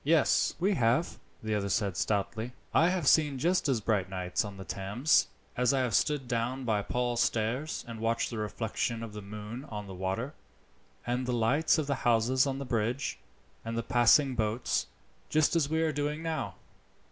"Yes, we have," the other said stoutly. "I have seen just as bright nights on the Thames. I have stood down by Paul's Stairs and watched the reflection of the moon on the water, and the lights of the houses on the bridge, and the passing boats, just as we are doing now.